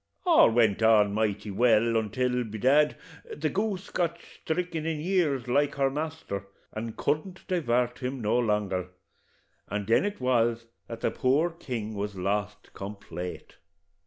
All went on mighty well, antil, by dad, the goose got sthriken in years like her master, and couldn't divart him no longer, and then it was that the poor king was lost complate.